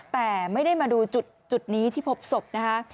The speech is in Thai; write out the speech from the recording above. แต่ไม่ได้มาดูจุดนี้ที่พบศพนะคะ